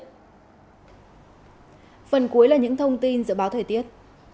phần cuối là những thông tin dự báo thời tiết